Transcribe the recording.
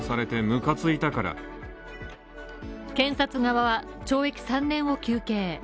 検察側は、懲役３年を求刑。